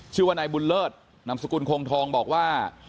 ชื่อว่านายบุญเลิศนามสกุลคงทองบอกว่า